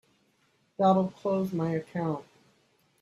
That'll close my account.